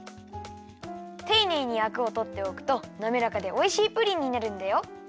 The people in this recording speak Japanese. ていねいにアクをとっておくとなめらかでおいしいプリンになるんだよ。